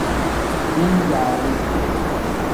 Min-jaari.